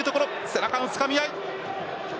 背中のつかみ合い。